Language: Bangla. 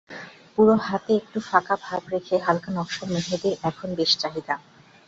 পুরো হাতে একটু ফাঁকা ভাব রেখে হালকা নকশার মেহেদির এখন বেশ চাহিদা।